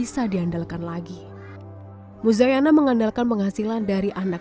nazila selalu mengalami penyakit tersebut